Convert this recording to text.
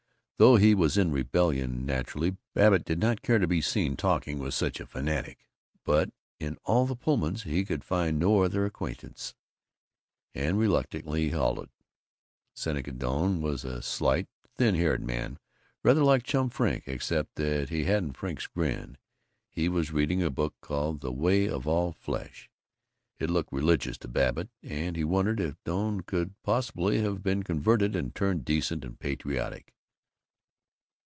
Though he was in rebellion, naturally Babbitt did not care to be seen talking with such a fanatic, but in all the Pullmans he could find no other acquaintance, and reluctantly he halted. Seneca Doane was a slight, thin haired man, rather like Chum Frink except that he hadn't Frink's grin. He was reading a book called "The Way of All Flesh." It looked religious to Babbitt, and he wondered if Doane could possibly have been converted and turned decent and patriotic.